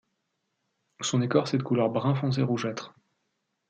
Son écorce est de couleur brun foncé rougeâtre.